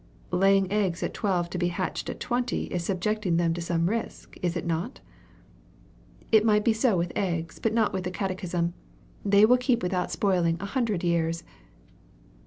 "Laying eggs at twelve to be hatched at twenty is subjecting them to some risk, is it not?" "It might be so with eggs, but not with the catechism. That will keep without spoiling a hundred years!"